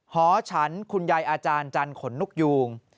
หอฉันคุณยายอาจารย์จันขนนกยูง